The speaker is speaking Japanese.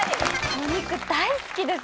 お肉大好きです！